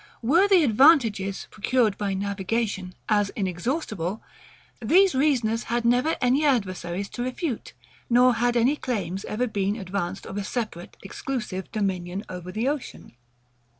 Were the advantages, procured by navigation, as inexhaustible, these reasoners had never had any adversaries to refute; nor had any claims ever been advanced of a separate, exclusive dominion over the ocean.